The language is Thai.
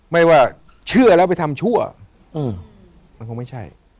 ไม่ว่าเชื่อแล้วไปทำชั่วมันคงไม่ใช่